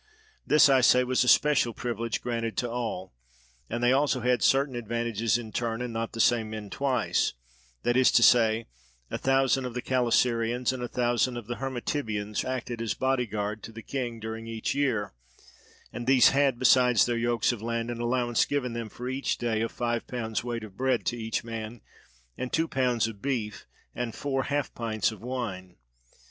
This, I say, was a special privilege granted to all, and they also had certain advantages in turn and not the same men twice; that is to say, a thousand of the Calasirians and a thousand of the Hermotybians acted as body guard to the king during each year; and these had besides their yokes of land an allowance given them for each day of five pounds weight of bread to each man, and two pounds of beef, and four half pints of wine.